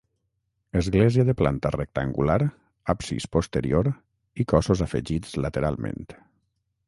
Església de planta rectangular absis posterior i cossos afegits lateralment.